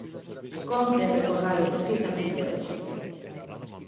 Cómpre recordalo precisamente hoxe.